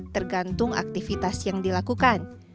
tergantung aktivitas yang dilakukan